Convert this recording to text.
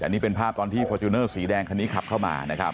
อันนี้เป็นภาพตอนที่ฟอร์จูเนอร์สีแดงคันนี้ขับเข้ามานะครับ